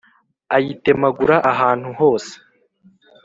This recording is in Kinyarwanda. ayitemagura ahantu hose.